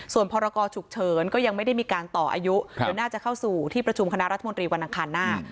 ส่วนพรกรฉุกเฉินก็ยังไม่ได้มีการต่ออายุเดี๋ยวน่าจะเข้าสู่ที่ประชุมคณะรัฐมนตรีวันอังคารหน้า